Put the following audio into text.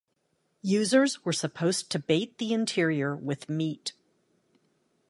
Users were supposed to bait the interior with meat.